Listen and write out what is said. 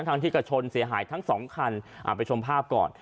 ทั้งที่ก็ชนเสียหายทั้งสองคันไปชมภาพก่อน